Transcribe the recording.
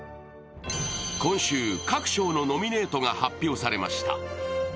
今週、各賞のノミネートが発表されました。